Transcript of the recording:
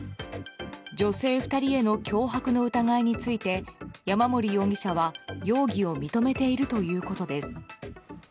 女性２人への脅迫の疑いについて山森容疑者は容疑を認めているということです。